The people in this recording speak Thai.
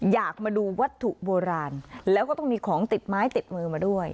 อยากมาดูวัตถุโบราณแล้วก็ต้องมีของติดไม้ติดมือมาด้วย